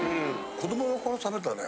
子どもの頃食べたね